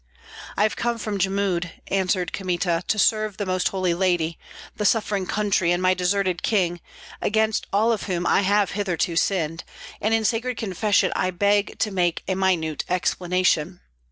"I have come from Jmud," answered Kmita, "to serve the Most Holy Lady, the suffering country, and my deserted king, against all of whom I have hitherto sinned, and in sacred confession I beg to make a minute explanation.